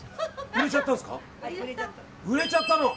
売れちゃったの。